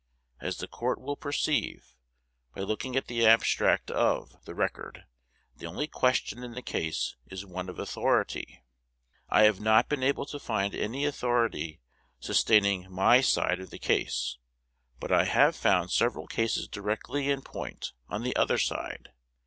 As the Court will perceive, by looking at the abstract of, the record, the only question in the case is one of authority. I have not been able to find any authority sustaining my side of the case, but I have found several cases directly in point on the other side.